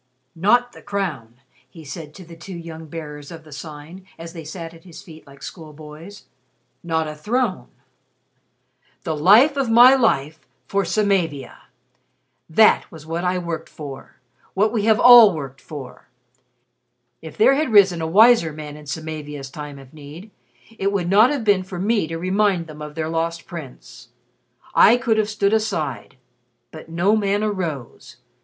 "Not the crown!" he said to the two young Bearers of the Sign as they sat at his feet like schoolboys "not a throne. 'The Life of my life for Samavia.' That was what I worked for what we have all worked for. If there had risen a wiser man in Samavia's time of need, it would not have been for me to remind them of their Lost Prince. I could have stood aside. But no man arose.